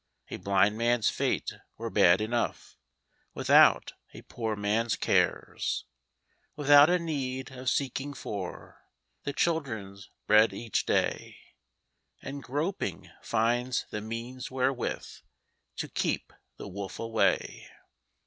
A blind man's fate were bad enough Without a poor man's cares ; \V ithout a need of seeking for The children's bread each day, And groping, finds the means wherewith To keep the wolf away.